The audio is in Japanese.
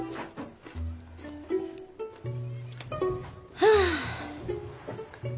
はあ。